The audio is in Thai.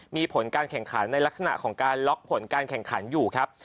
มีผลการแข่งขันในลักษณะของการล็อกผลการแข่งขันอยู่ครับ